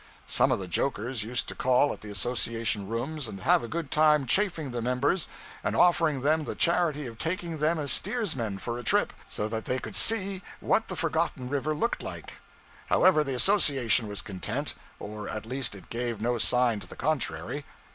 Some of the jokers used to call at the association rooms and have a good time chaffing the members and offering them the charity of taking them as steersmen for a trip, so that they could see what the forgotten river looked like. However, the association was content; or at least it gave no sign to the contrary.